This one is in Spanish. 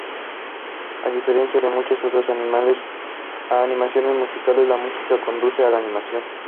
A diferencia de muchas otras animaciones musicales, la música conduce a la animación.